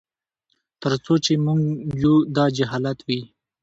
تر څو چي موږ یو داجهالت وي